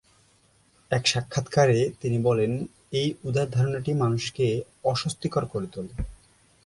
এক সাক্ষাৎকারে তিনি বলেন, "এই উদার ধারণাটি মানুষকে অস্বস্তিকর করে তোলে।"